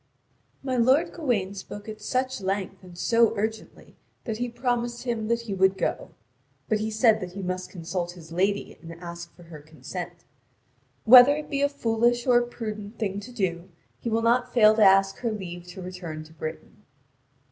(Vv. 2539 2578.) My lord Gawain spoke at such length and so urgently that he promised him that he would go; but he said that he must consult his lady and ask for her consent. Whether it be a foolish or a prudent thing to do, he will not fail to ask her leave to return to Britain.